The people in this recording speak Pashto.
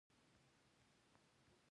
افغانان په افراط او تفریط کي ساری نلري